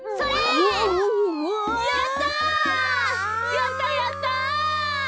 やったやった！